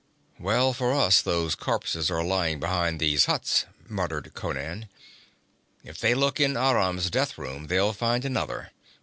'Well for us those corpses are lying behind these huts,' muttered Conan. 'If they look in Aram's death room they'll find another.